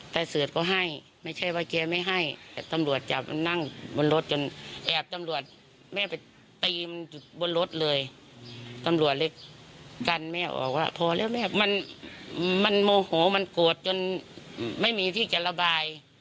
ตำรวจเลยกันแม่ออกว่าพอแล้วแม่มันโมโหมันโกรธจนไม่มีที่จะระบาย